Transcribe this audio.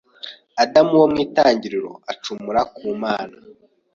Adamu wo mw'Itangiriro acumura ku Mana